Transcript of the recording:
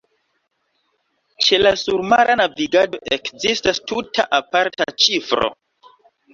Ĉe la surmara navigado ekzistas tuta aparta ĉifro.